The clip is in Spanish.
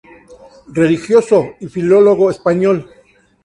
Religioso y filólogo español.